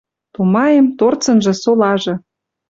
Тумаем, торцынжы, солажы.